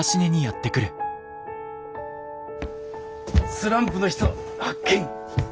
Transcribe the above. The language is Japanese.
スランプの人発見！